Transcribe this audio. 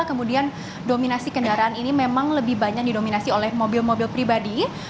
kemudian dominasi kendaraan ini memang lebih banyak didominasi oleh mobil mobil pribadi